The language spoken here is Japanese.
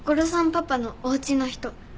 パパのおうちの人。